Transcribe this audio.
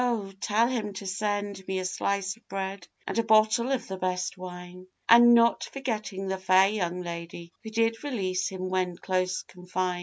tell him to send me a slice of bread, And a bottle of the best wine; And not forgetting the fair young lady Who did release him when close confine.